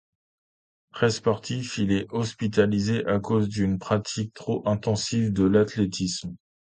Très sportif, il est hospitalisé à cause d'une pratique trop intensive de l’athlétisme.